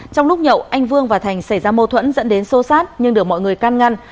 trong lúc nhậu anh vương và thành xảy ra mâu thuẫn dẫn đến xô xát nhưng được mọi người can ngăn